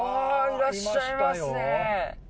いらっしゃいますね。